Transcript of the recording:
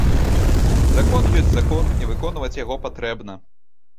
Закон ёсць закон, і выконваць яго патрэбна.